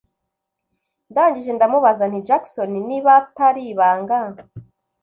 ndangije ndamubaza nti Jackson nibatari ibanga